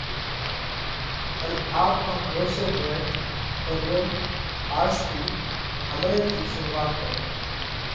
ان آپ مانه ڀروسو هوئہ۔ تو ليو آز ٿِي، همڻئہ ٿِي شرُوعات ڪرو۔